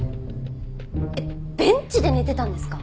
えっベンチで寝てたんですか！？